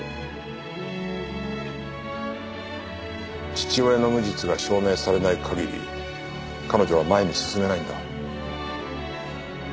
父親の無実が証明されない限り彼女は前に進めないんだ。